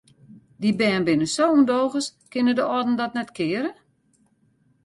Dy bern binne sa ûndogens, kinne de âlden dat net keare?